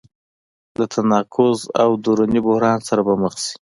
له تناقض او دروني بحران سره به مخ شي.